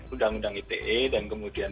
undang undang ite dan kemudian